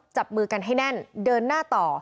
จับมือกันให้แน่นเดินหน้าต่อ